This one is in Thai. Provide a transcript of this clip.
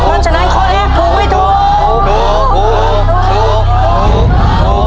เพราะฉะนั้นข้อแรกถูกไม่ถูก